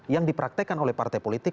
yang dipraktekan oleh partai politik